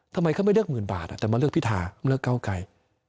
ทำไมเขาไม่เลือก๑๐๐๐๐บาทดนตรีอาจมาเลือกพี่ทามันเลือกเก้าไกล